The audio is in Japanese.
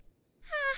ああ